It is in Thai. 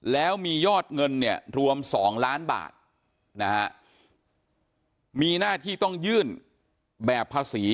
แล้วมียอดเงินเนี่ยรวม๒ล้านบาทนะฮะมีหน้าที่ต้องยื่นแบบภาษี